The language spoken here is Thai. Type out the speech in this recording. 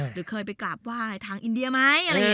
หรือเคยไปกลับไหว้ทางอินเดียไหม